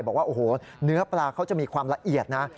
บอกว่าโอ้โหเนื้อปลาเขาจะมีความละเอียดนะ